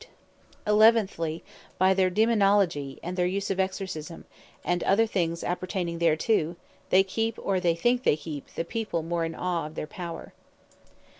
Daemonology And Exorcism Eleventhly, by their Daemonology, and the use of Exorcisme, and other things appertaining thereto, they keep (or thinke they keep) the People more in awe of their Power.